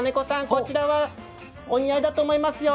こちら、お似合いだと思いますよ。